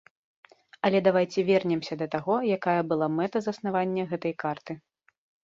Але давайце вернемся да таго, якая была мэта заснавання гэтай карты.